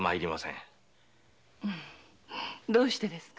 どうしてですか？